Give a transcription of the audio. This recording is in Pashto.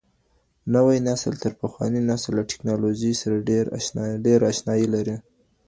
نوی نسل تر پخواني نسل له ټیکنالوژۍ سره ډیره اشنايي لري.